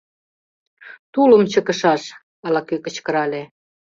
— Тулым чыкышаш! — ала-кӧ кычкырале.